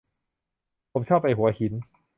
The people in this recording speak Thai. ผมชอบไปหัวหิน